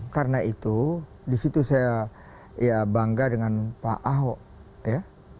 karena itu disitu saya bangga dengan pak ahok ya